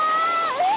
えっ。